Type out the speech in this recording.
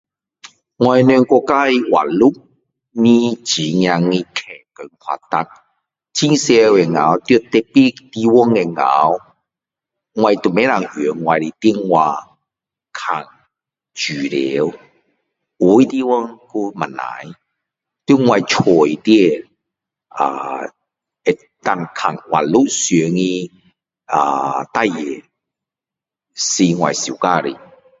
我们国家的网络快和阔啦很多时候在特别的地方的时候我都不能够用我的电话看资料有的地方还不错在我的屋里面啊能够看网络上的啊事情是我喜欢的